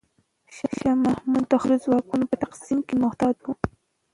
شاه محمود د خپلو ځواکونو په تقسیم کې محتاط و.